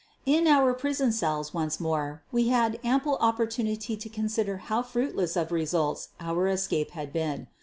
In our prison cells, once more, we had ample op portunity to consider how fruitless of results our escape had been.